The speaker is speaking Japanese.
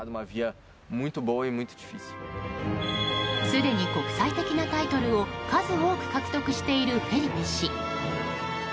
すでに国際的なタイトルを数多く獲得しているフェリペ氏。